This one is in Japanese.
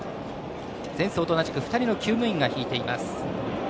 前走と同じく２人のきゅう務員が引いています。